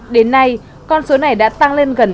đến nay con số này đã tăng lên gần tám mươi